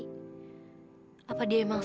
hai apa dia emang